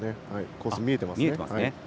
コース見えていますね。